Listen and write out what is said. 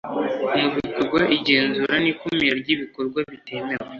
mu bikorwa igenzura n ikumira ry ibikorwa bitemewe